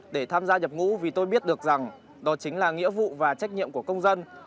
để tham gia nhập ngũ vì tôi biết được rằng đó chính là nghĩa vụ và trách nhiệm của công dân